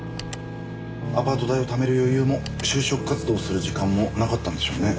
アパート代をためる余裕も就職活動する時間もなかったんでしょうね。